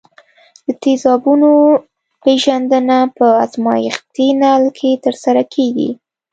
د تیزابونو پیژندنه په ازمیښتي نل کې ترسره کیږي.